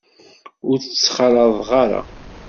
Ur tt-ttxalaḍeɣ ara.